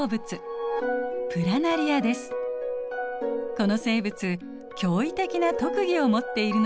この生物驚異的な特技を持っているのです。